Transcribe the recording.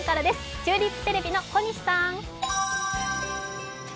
チューリップテレビの小西さん。